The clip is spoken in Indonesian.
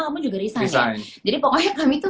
kamu juga restansi jadi pokoknya kami tuh